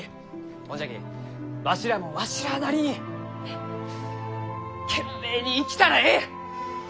ほんじゃきわしらもわしらあなりに懸命に生きたらえい！